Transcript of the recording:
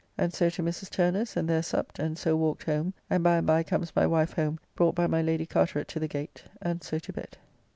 And so to Mrs. Turner's, and there supped, and so walked home, and by and by comes my wife home, brought by my Lady Carteret to the gate, and so to bed.